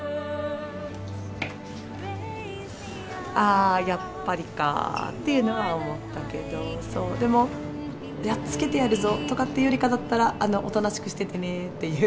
ああやっぱりかっていうのは思ったけどでもやっつけてやるぞとかっていうよりかだったらおとなしくしててねっていう感じかな。